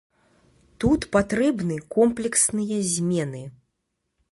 Тут патрэбны комплексныя змены.